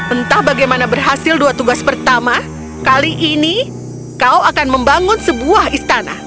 entah bagaimana berhasil dua tugas pertama kali ini kau akan membangun sebuah istana